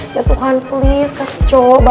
ya tuhan please kasih coba